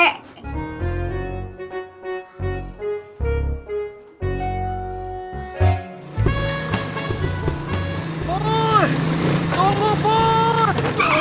pur tunggu pur